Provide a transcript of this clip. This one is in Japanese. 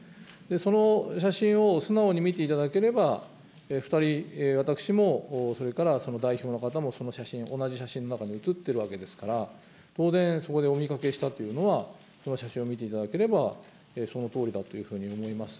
その写真を素直に見ていただければ、２人、私も、それからその代表の方も、その写真、同じ写真の中に写っているわけですから、当然そこでお見かけしたというのは、その写真を見ていただければそのとおりだというふうに思います。